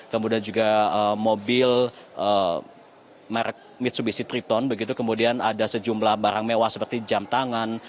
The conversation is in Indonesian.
kemudian juga mobil merek mitsubishi triton begitu kemudian ada sejumlah barang mewah seperti jam tangan